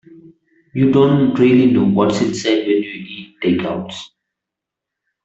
You don't really know what's inside when you eat takeouts.